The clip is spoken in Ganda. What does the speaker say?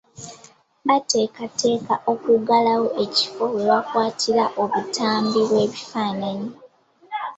Bateekateeka kuggulawo ekifo we bakwatira obutambi bw'ebifaananyi.